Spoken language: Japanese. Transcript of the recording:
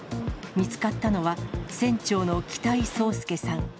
見つかったのは船長の北井宗祐さん。